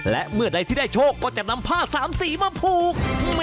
และเมื่อใดที่ได้โชคก็จะนำผ้าสามสีมาผูก